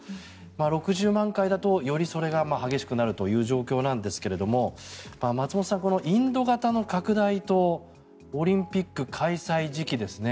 ６０万回だとよりそれが激しくなるという状況なんですが松本さん、このインド型の拡大とオリンピック開催時期ですね。